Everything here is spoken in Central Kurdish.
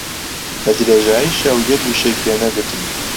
بە درێژایی شەو یەک وشەی پێ نەگوتم.